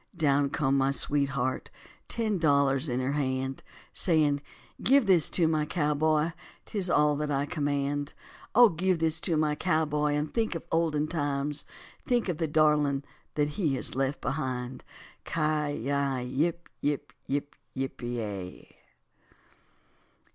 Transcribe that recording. Down come my sweetheart, ten dollars in her hand, Saying, "Give this to my cowboy, 'tis all that I command; O give this to my cowboy and think of olden times, Think of the darling that he has left behind." Ci yi yip yip yip pe ya.